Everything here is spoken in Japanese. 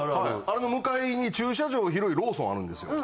あれの向いに駐車場広いローソンあるんですよ。